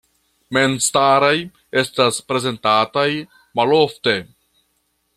Memstaraj estas prezentataj malofte.